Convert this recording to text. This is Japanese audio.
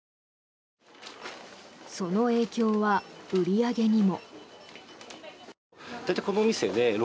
その影響は売り上げにも。